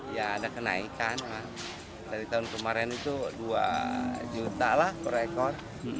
ya ada kenaikan dari tahun kemarin itu dua juta lah per ekor